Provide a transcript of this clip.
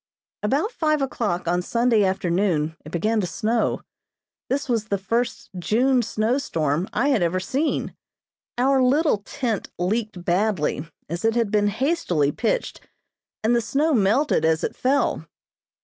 About five o'clock on Sunday afternoon it began to snow. This was the first June snowstorm I had ever seen. Our little tent leaked badly, as it had been hastily pitched, and the snow melted as it fell.